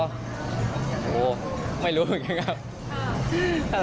โอ้โหไม่รู้เหมือนกันครับ